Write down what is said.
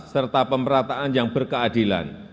serta pemerataan yang berkeadilan